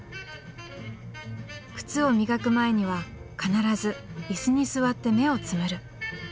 靴を磨く前には必ず椅子に座って目をつむる。